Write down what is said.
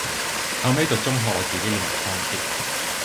後尾讀中學我自己練埋倉頡